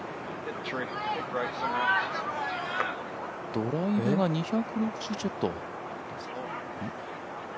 ドライブが２６０ちょっと？